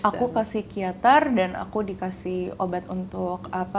aku ke psikiater dan aku dikasih obat untuk apa